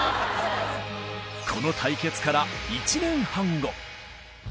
この対決から１年半後。